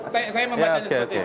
saya membacanya seperti itu